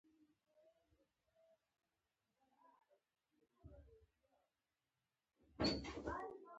د پیرودونکو خدمتونه د خلکو ورځنی ژوند اسانه کوي.